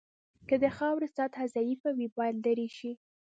که د خاورې سطحه ضعیفه وي باید لرې شي